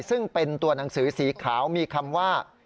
ซึ่งเป็นตัวหนังสือสีขาวมีคำว่า